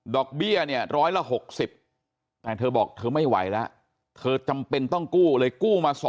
เบี้ยเนี่ยร้อยละ๖๐แต่เธอบอกเธอไม่ไหวแล้วเธอจำเป็นต้องกู้เลยกู้มา๒๐๐